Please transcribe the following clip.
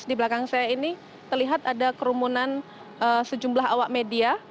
di belakang saya ini terlihat ada kerumunan sejumlah awak media